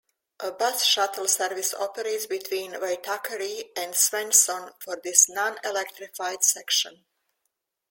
A bus shuttle service operates between Waitakere and Swanson for this non-electrified section.